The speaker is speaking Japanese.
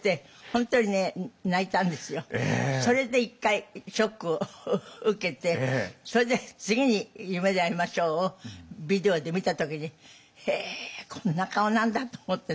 それで一回ショックを受けてそれで次に「夢であいましょう」をビデオで見た時にへえこんな顔なんだと思ってね。